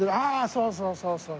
そうそうそうそう